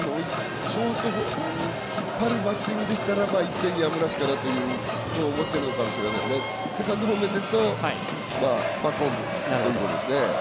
引っ張るバッティングでしたら１点、やむなしかなと思いますけどセカンド方面ですとバックホームということですね。